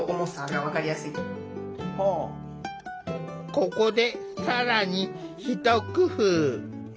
ここで更にひと工夫。